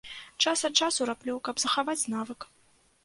Час ад часу раблю, каб захаваць навык.